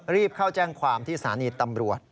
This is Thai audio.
รีบเข้าแจ้งความที่สถานีตำรวจ